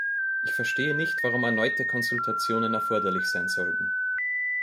Ich verstehe nicht, warum erneute Konsultationen erforderlich sein sollten.